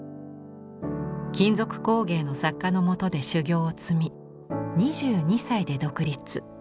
金属工芸の作家のもとで修業を積み２２歳で独立。